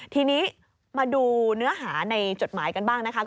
ทีนี้มาดูเนื้อหาในจดหมายกันบ้างนะคะ